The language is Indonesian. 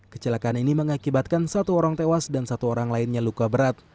kecelakaan ini mengakibatkan satu orang tewas dan satu orang lainnya luka berat